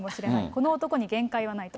この男に限界はないと。